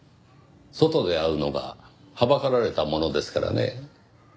外で会うのがはばかられたものですからね。